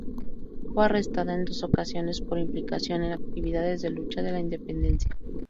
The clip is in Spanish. Fue arrestada en dos ocasiones por implicación en actividades de lucha de la Independencia.